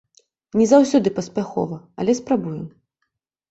Не заўсёды паспяхова, але спрабую.